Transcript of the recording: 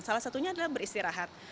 salah satunya adalah beristirahat